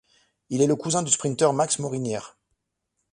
Il est le cousin du sprinteur Max Morinière.